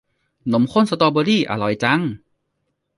นมข้นสตอเบอร์รี่ อร่อยจัง